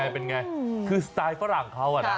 เป็นไงคือสไตล์ฝรั่งเขาอะนะ